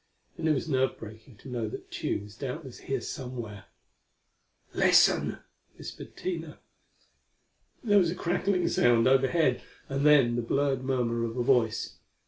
And it was nerve breaking to know that Tugh was doubtless here somewhere. "Listen!" whispered Tina. There was a crackling sound overhead, and then the blurred murmur of a voice.